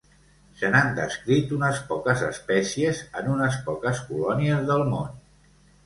Se n'ha descrit unes poques espècies en unes poques colònies del món.